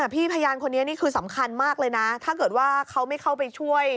พี่พยานคนนี้นี่คือสำคัญมากเลยนะถ้าเกิดว่าเขาไม่เข้าไปช่วย